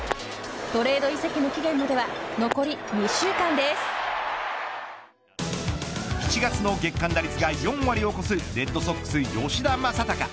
トレード移籍の期限までは７月の月間打率が４割を超すレッドソックス吉田正尚。